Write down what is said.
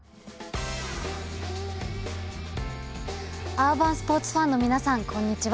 アーバンスポーツファンの皆さんこんにちは。